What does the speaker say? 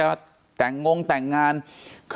เป็นวันที่๑๕ธนวาคมแต่คุณผู้ชมค่ะกลายเป็นวันที่๑๕ธนวาคม